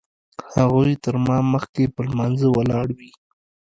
هغوی تر ما مخکې په لمانځه ولاړ وي.